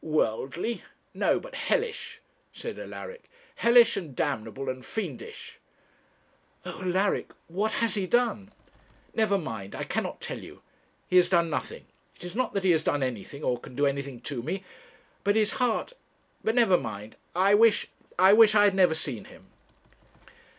'Worldly! no but hellish,' said Alaric; 'hellish, and damnable, and fiendish.' 'Oh, Alaric, what has he done?' 'Never mind; I cannot tell you; he has done nothing. It is not that he has done anything, or can do anything to me but his heart but never mind I wish I wish I had never seen him.'